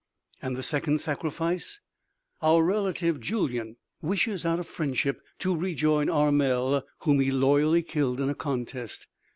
"And the second sacrifice?" "Our relative Julyan wishes, out of friendship, to rejoin Armel, whom he loyally killed in a contest.